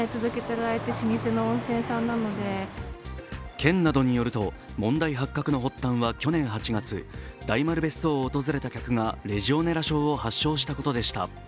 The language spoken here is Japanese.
県などによると問題発覚の発端は去年８月、大丸別荘を訪れた客がレジオネラ症を発症したことでした。